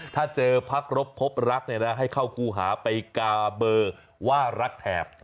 ถ้าเจอพักรบพบรักให้เข้าคู่หาไปกาเบอร์ว่ารักแถบ